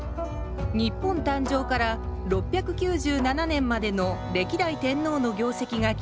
日本誕生から６９７年までの歴代天皇の業績が記録されています